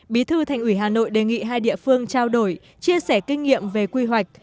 bí thư thành ủy hà nội đề nghị hai địa phương trao đổi chia sẻ kinh nghiệm về quy hoạch